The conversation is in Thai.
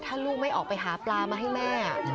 ถ้าลูกไม่ออกไปหาปลามาให้แม่